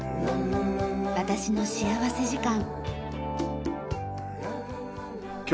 『私の幸福時間』。